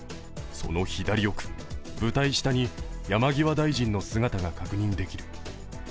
その左奥、舞台下に山際大臣の姿が確認できる。